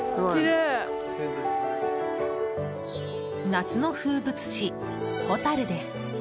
夏の風物詩、ホタルです！